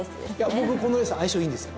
僕このレース相性いいんですよ。